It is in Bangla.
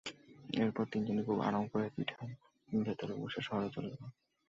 এরপর তিনজনই খুব আরাম করে পিঠার ভেতরে বসে শহরে চলে গেল।